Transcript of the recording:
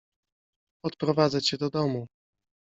Odprowadzę cię do domu.